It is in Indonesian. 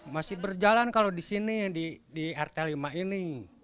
masih berjalan kalau di sini di rt lima ini